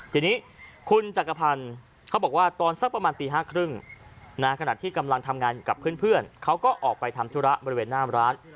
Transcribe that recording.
ทีนี้คุณจักรพันธ์เขาบอกว่าตอนสักประมาณตี๕๓๐ขณะที่กำลังทำงานกับเพื่อนเขาก็ออกไปทำธุระบริเวณหน้าร้าน